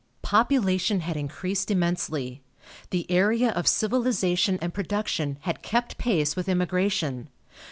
Population had increased immensely. The area of civilization and production had kept pace with immigration.